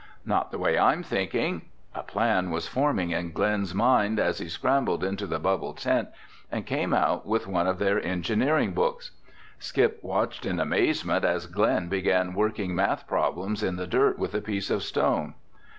"Not the way I'm thinking." A plan was forming in Glen's mind, as he scrambled into the bubble tent and came out with one of their engineering books. Skip watched in amazement as Glen began working math problems in the dirt with a piece of stone.